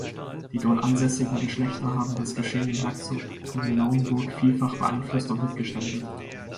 Die dort ansässigen Geschlechter haben das Geschehen im Herzogtum Lauenburg vielfach beeinflusst und mitgestaltet.